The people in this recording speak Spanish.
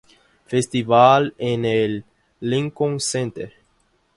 Festival en el Lincoln Center.